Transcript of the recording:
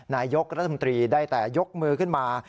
นายกรัฐมนตรีได้แต่ยกมือขึ้นมา